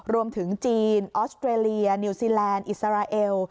รวมถึงจีนออสเตรเลียนิวซีแลนด์อิสราเอล